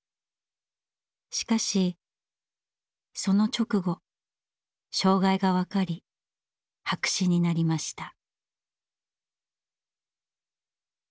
しかしその直後障害が分かり白紙になりました。